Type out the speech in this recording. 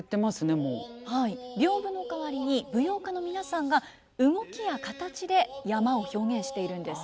はい屏風の代わりに舞踊家の皆さんが動きや形で山を表現しているんです。